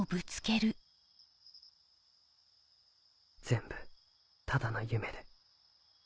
全部ただの夢で。